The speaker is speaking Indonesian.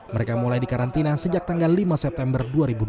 mereka mulai dikarantina sejak tanggal lima september dua ribu dua puluh